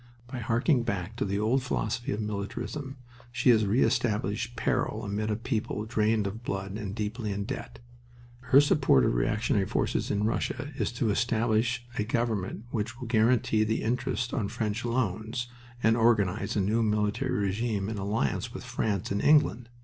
By harking back to the old philosophy of militarism she has re established peril amid a people drained of blood and deeply in debt. Her support of reactionary forces in Russia is to establish a government which will guarantee the interest on French loans and organize a new military regime in alliance with France and England.